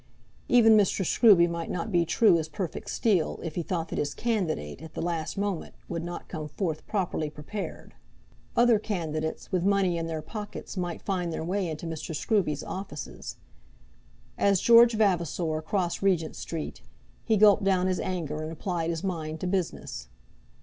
Even Mr. Scruby might not be true as perfect steel, if he thought that his candidate at the last moment would not come forth properly prepared. Other candidates, with money in their pockets, might find their way into Mr. Scruby's offices. As George Vavasor crossed Regent Street, he gulped down his anger, and applied his mind to business.